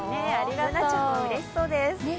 Ｂｏｏｎａちゃんもうれしそうです。